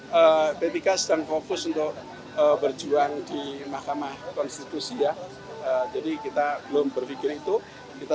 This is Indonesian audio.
hai petika sedang fokus untuk berjuang di mahkamah konstitusi ya jadi kita belum berpikir itu kita